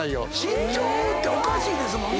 慎重っておかしいですもんね